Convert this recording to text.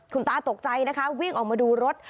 คุณตาตกใจนะคะวิ่งออกมาดูรถ